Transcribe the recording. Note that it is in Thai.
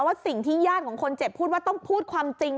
ว่าสิ่งที่ญาติของคนเจ็บพูดว่าต้องพูดความจริง